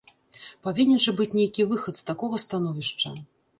Павінен жа быць нейкі выхад з такога становішча.